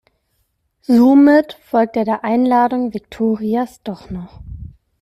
Somit folgt er der Einladung Viktorias doch noch.